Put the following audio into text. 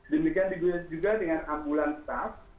demikian juga dengan ambulans staff